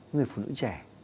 người phụ nữ trẻ